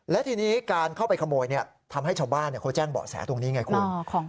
และทีนี้การเข้าไปขโมยทำให้ชาวบ้านเขาแจ้งเบาะแสตรงนี้ไงคุณ